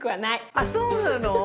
あっそうなの？